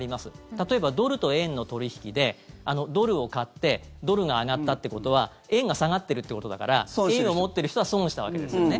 例えば、ドルと円の取引でドルを買ってドルが上がったってことは円が下がってるってことだから円を持ってる人は損したわけですよね。